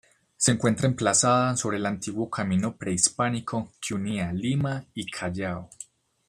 Se encuentra emplazada sobre el antiguo camino prehispánico que unía Lima y Callao.